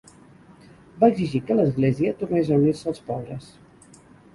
Va exigir que l'Església tornés a unir-se als pobres.